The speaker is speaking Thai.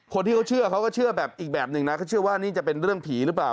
คนที่เขาเชื่อเขาก็เชื่อแบบอีกแบบหนึ่งนะเขาเชื่อว่านี่จะเป็นเรื่องผีหรือเปล่า